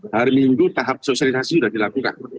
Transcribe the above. hari minggu tahap sosialisasi sudah dilakukan